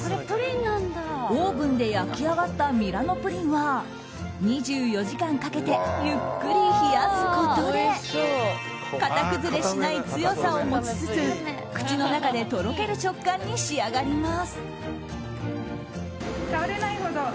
オーブンで焼き上がったミラノプリンは２４時間かけてゆっくり冷やすことで型崩れしない強さを持ちつつ口の中でとろける食感に仕上がります。